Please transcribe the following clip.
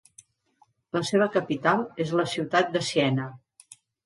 La seva capital és la ciutat de Siena.